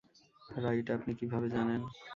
Right, আপনি কিভাবে জানেন?